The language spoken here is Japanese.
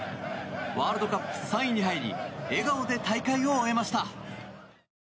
ワールドカップ３位に入り笑顔で大会を終えました。